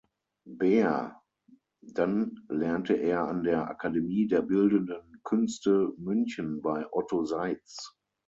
Beer, dann lernte er an der Akademie der Bildenden Künste München bei Otto Seitz.